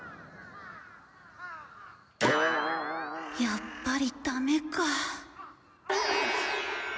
やっぱりダメか